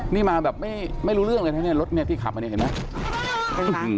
นี่มาแบบไม่รู้เรื่องเลยนะเนี่ยรถที่ขับอันนี้เห็นมั้ย